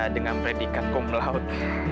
dengan predikat kumlaut